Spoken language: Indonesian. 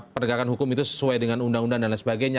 penegakan hukum itu sesuai dengan undang undang dan lain sebagainya